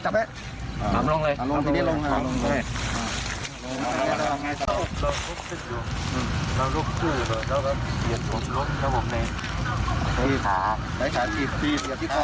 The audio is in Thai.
เราได้เอาเสื้อไปหลุดหัวแม่เอาไหมไม่เอาอีก